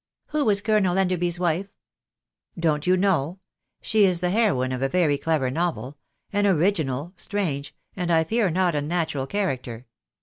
"Who was Colonel Enderby's wife?" "Don't you know? She is the heroine of a very clever novel — an original, strange — and I fear not un natural character."